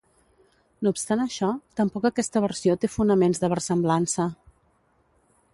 No obstant això, tampoc aquesta versió té fonaments de versemblança.